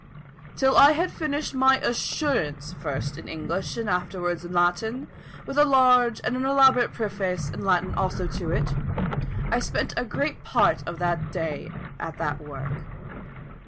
Till I had finished my assurance first in English and afterwards in Latin, with a large and an elaborate preface in Latin also to it; I spent a great part of the day at that work, &c.